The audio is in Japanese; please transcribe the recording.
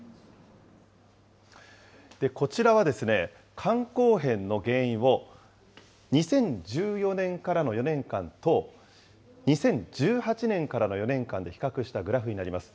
こちらは肝硬変の原因を、２０１４年からの４年間と、２０１８年からの４年間で比較したグラフになります。